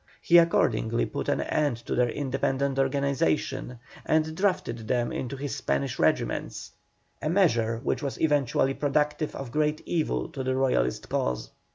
He accordingly put an end to their independent organization, and drafted them into his Spanish regiments, a measure which was eventually productive of great evil to the Royalist cause.